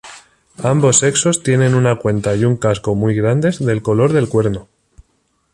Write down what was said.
Ambos sexos tienen una cuenta y un casco muy grandes del color del cuerno.